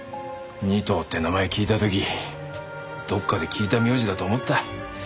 仁藤って名前聞いた時どっかで聞いた名字だと思った。